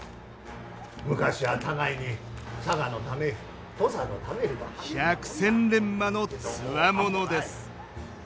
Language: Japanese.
昔は互いに佐賀のため土佐のため。のつわものです。